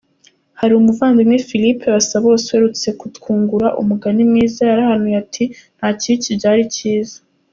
Hari umuvandimwe Philippe Basabose uherutse kutwungura umugani mwiza, yarahanuye ati ” nta kibi kibyara icyiza”.